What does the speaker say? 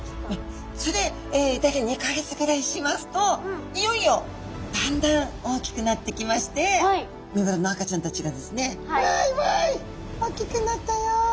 それで大体２か月ぐらいしますといよいよだんだん大きくなってきましてメバルの赤ちゃんたちがですね「わいわい！大きくなったよ。